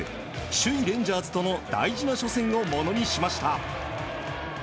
首位レンジャーズとの大事な初戦をものにしました。